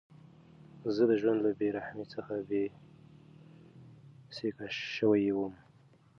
زه د ژوند له بېرحمۍ څخه بېسېکه شوی وم.